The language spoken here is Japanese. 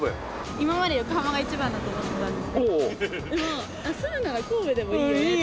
今まで横浜が一番だと思ってたんですけどでも住むなら神戸でもいいよねって。